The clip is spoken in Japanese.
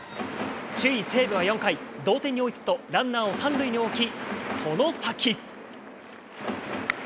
首位西武は４回、同点に追いつくとランナーを３塁に置き、外崎。